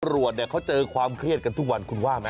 ตำรวจเนี่ยเขาเจอความเครียดกันทุกวันคุณว่าไหม